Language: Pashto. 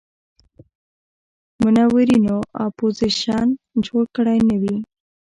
منورینو اپوزیشن جوړ کړی نه وي.